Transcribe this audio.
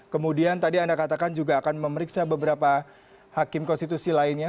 kemudian tadi anda katakan juga akan memeriksa beberapa hakim konstitusi lainnya